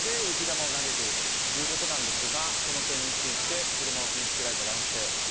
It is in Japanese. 雪玉を投げているということなんですがその点について車を傷つけられた男性。